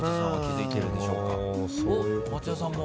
松也さんも。